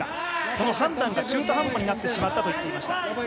その判断が中途半端になってしまったと言っていました。